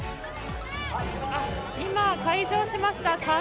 今、開場しました。